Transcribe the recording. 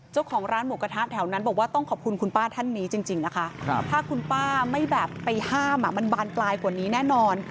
เจ้าของร้านหมูกระทะแถวนั้นบอกว่าต้องขอบคุณคุณป้าท่านนี้จริงนะคะถ้าคุณป้าไม่แบบไปห้ามมันบานปลายกว่านี้แน่นอน